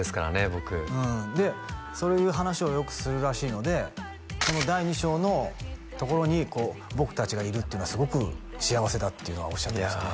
僕うんでそういう話をよくするらしいのでその第２章のところにこう僕達がいるっていうのはすごく幸せだっていうのはおっしゃってましたね